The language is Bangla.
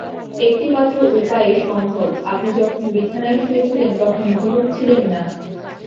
একটিমাত্র উপায়ে সম্ভব-আপনি যখন বিছানায় শুয়ে ছিলেন তখন ঘুমুচ্ছিলেন না।